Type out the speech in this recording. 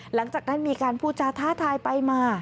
หลังจากนั้นมีการพูดจาท้าทายไปมา